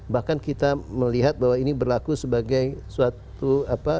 bahkan kita melihat bahwa ini berlaku sebagai suatu apa